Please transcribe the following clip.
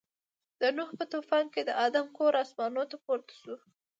د نوح په طوفان کې د آدم کور اسمانو ته پورته شو.